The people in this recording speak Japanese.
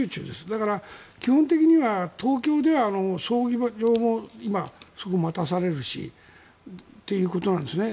だから、基本的には東京で葬儀場も今、待たされるしということなんですね。